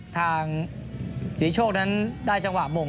ทางสีโชคนั้นได้จังหวะโมง